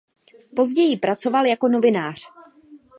Později pracoval jako novinář.